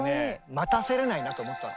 待たせられないなと思ったの。